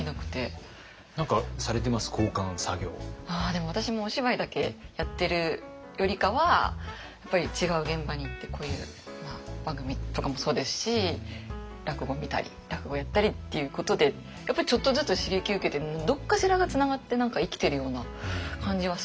でも私もお芝居だけやってるよりかはやっぱり違う現場に行ってこういう番組とかもそうですし落語見たり落語やったりっていうことでやっぱりちょっとずつ刺激受けてどっかしらがつながって何か生きているような感じがするので。